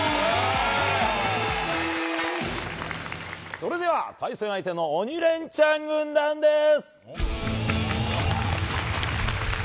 それでは対戦相手の「鬼レンチャン」軍団です。